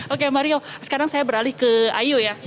oke mario sekarang saya beralih ke ayu ya